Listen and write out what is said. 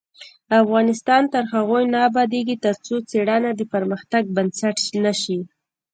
افغانستان تر هغو نه ابادیږي، ترڅو څیړنه د پرمختګ بنسټ نشي.